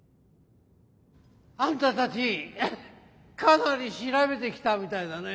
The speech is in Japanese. あんたたちかなり調べてきたみたいだね。